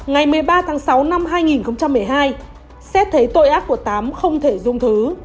ngày một mươi ba tháng sáu năm hai nghìn một mươi hai xét thấy tội ác của tám không thể dung thứ